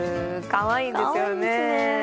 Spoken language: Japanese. かわいいですよね。